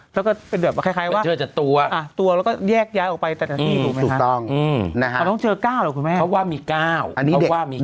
แล้วก็เป็นเหมือนว่าประเทศจะตัวแล้วก็แยกย้ายไปแต่แต่นี้